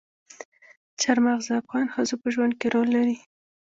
چار مغز د افغان ښځو په ژوند کې رول لري.